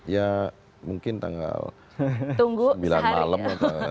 ya mungkin tanggal sembilan malam